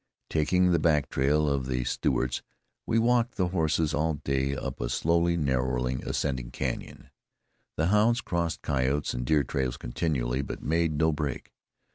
Taking the back trail of the Stewarts, we walked the horses all day up a slowly narrowing, ascending canyon. The hounds crossed coyote and deer trails continually, but made no break.